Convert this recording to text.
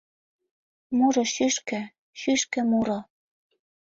Муро-шӱшкӧ, шӱшкӧ-муро